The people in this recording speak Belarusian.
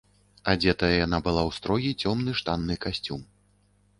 Адзетая яна была ў строгі цёмны штанны касцюм.